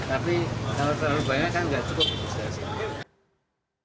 tapi kalau terlalu banyak kan nggak cukup